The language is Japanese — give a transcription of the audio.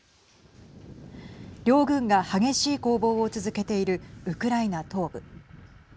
両軍が激しい攻防を続けているウクライナ東部。